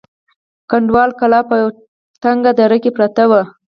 کنډواله کلا په یوه تنگه دره کې پرته وه.